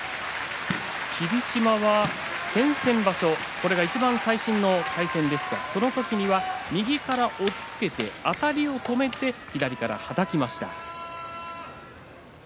霧島は先々場所がいちばん最新の対戦ですがこの時は右から押っつけてあたりを止めて左からはたきました。